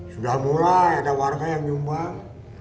sudah mulai ada warga yang nyumbang